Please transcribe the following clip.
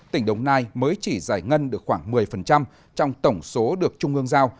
tỉnh đồng nai mới chỉ giải ngân được khoảng một mươi trong tổng số được trung ương giao